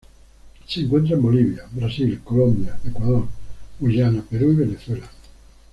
Se encuentra en Bolivia, Brasil, Colombia, Ecuador, Guyana, Perú y Venezuela.